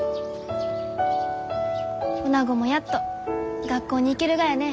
おなごもやっと学校に行けるがやね。